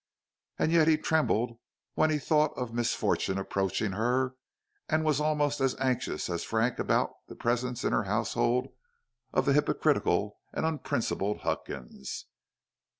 And yet he trembled when he thought of misfortune approaching her, and was almost as anxious as Frank about the presence in her house of the hypocritical and unprincipled Huckins.